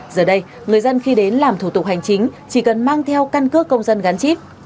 giờ đây người dân khi đến làm thủ tục hành chính chỉ cần mang theo căn cước công dân gắn chip